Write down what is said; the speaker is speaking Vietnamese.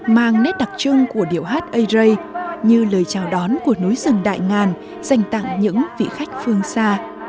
mang nét đặc trưng của điệu hát ây rây như lời chào đón của núi rừng đại ngàn dành tặng những vị khách phương xa